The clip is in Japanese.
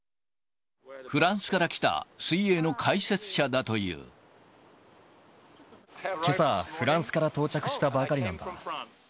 フランスから来た、けさ、フランスから到着したばかりなんだ。